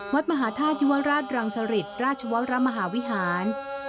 วัดมหาธาตุยุวราชรังสริตราชวรมหาวิหาร